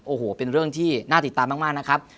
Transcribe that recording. โอ้โหเป็นเรื่องที่น่าติดตามมากนะครับ